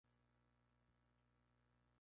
Hay tres capillas en las cabecera adosadas.